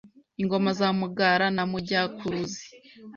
Ingoma za Mugara na Mujyakuruzi